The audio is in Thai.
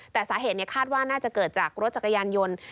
แต่สาเหตุคาดว่าน่าจะเกิดจากรถจักรยานยนต์